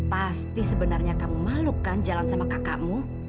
pasti sebenarnya kamu malu kan jalan sama kakakmu